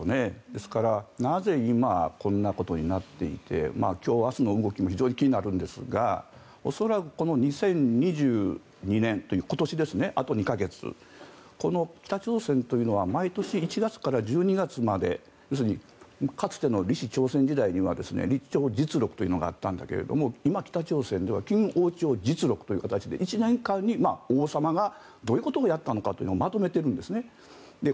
ですから、なぜ今こんなことになっていて今日明日の動きも非常に気になるんですが恐らくこの２０２２年、今年ですねあと２か月、北朝鮮というのは毎年１月から１２月まで要するにかつての李氏朝鮮時代には実録というのがあったんだけど今、北朝鮮では金王朝実録という形で１年間に王様がどういうことをやったのかをまとめているんですね。